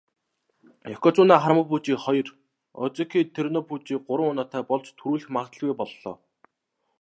Ёкозүна Харүмафүжи хоёр, озеки Тэрүнофүжи гурван унаатай болж түрүүлэх магадлалгүй боллоо.